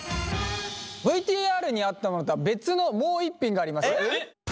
ＶＴＲにあったのとは別のもう一品があります。